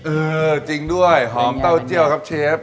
เออจริงด้วยหอมเต้าเจียวครับเชฟ